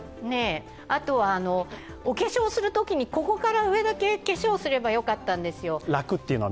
あと、お化粧するときに、ここだけ上だけ化粧すればよかったんですよ。